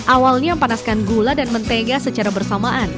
awalnya panaskan gula dan mentega secara bersamaan